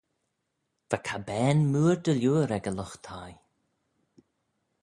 Va cabbane mooar dy liooar ec y lught thie.